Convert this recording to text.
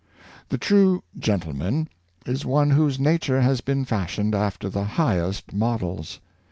The true gentleman is one whose nature has been fashioned after the highest models.